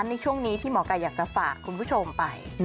ในช่วงนี้ที่หมอไก่อยากจะฝากคุณผู้ชมไป